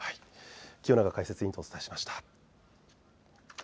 清永解説委員とお伝えしました。